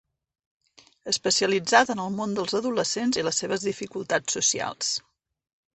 Especialitzat en el món dels adolescents i les seves dificultats socials.